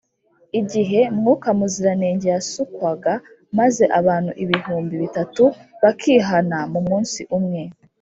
igihe mwuka muziranenge yasukwaga maze abantu ibihumbi bitatu bakihana mu munsi umwe,